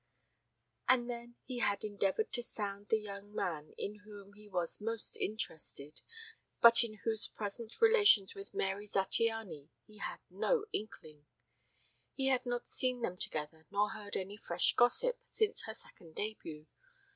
And then he had endeavored to sound the young man in whom he was most interested, but of whose present relations with Mary Zattiany he had no inkling; he had not seen them together nor heard any fresh gossip since her second début.